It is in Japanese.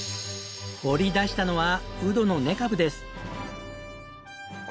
掘り出したのはうどの根株です。